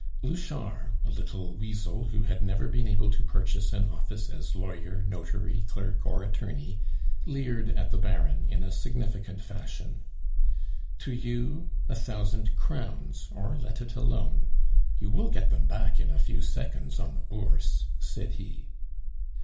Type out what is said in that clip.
Louchard, a little weasel, who had never been able to purchase an office as lawyer, notary, clerk, or attorney, leered at the Baron in a significant fashion. "To you a thousand crowns, or let it alone. You will get them back in a few seconds on the Bourse," said he.